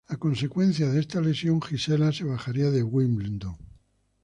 Por consecuencia de esta lesión Gisela se bajaría de Wimbledon.